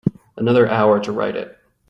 Another hour to write it.